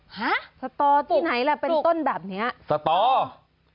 ฮะสตอที่ไหนล่ะเป็นต้นแบบนี้ปลูกปลูกปลูกสตอ